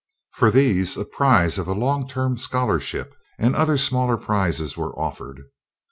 For these a prize of a long term scholarship and other smaller prizes were offered.